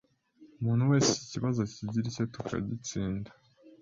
umuntu wese iki kibazo akigire icye tukagitsinda